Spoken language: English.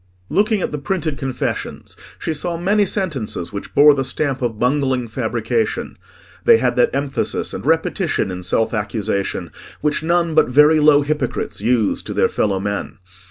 Looking at the printed confessions, she saw many sentences which bore the stamp of bungling fabrication: they had that emphasis and repetition in self accusation which none but very low hypocrites use to their fellow men.